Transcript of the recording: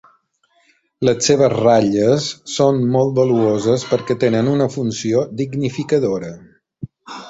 Les seves ratlles són molt valuoses perquè tenen una funció dignificadora.